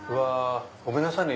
ごめんなさいね